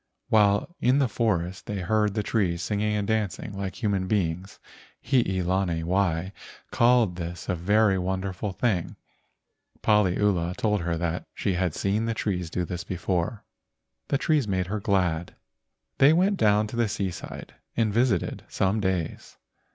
While in the forest they heard the trees singing and dancing like human beings. Hii lani wai called this a very wonderful thing. Paliula told her that she had seen the trees do this before. The trees made her glad. They went down to the seaside and visited some days.